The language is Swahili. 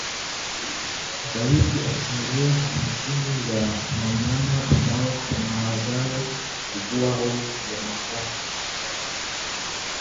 Zaidi ya asilimia hamsini ya wanyama ambao hawajawahi kuugua homa ya mapafu